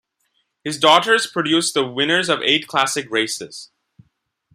His daughters produced the winners of eight classic races.